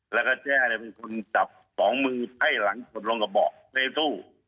แล้วก็แจ้เป็นคนจับสองมือไพ่หลังสุดลงกับเบาะในตู้